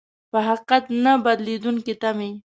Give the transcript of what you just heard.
په حقيقت نه بدلېدونکې تمې.